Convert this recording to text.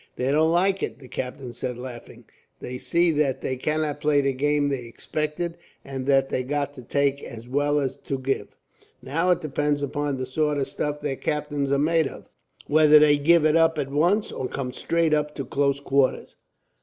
"They don't like it," the captain said, laughing. "They see that they cannot play the game they expected, and that they've got to take as well as to give. Now it depends upon the sort of stuff their captains are made of, whether they give it up at once, or come straight up to close quarters.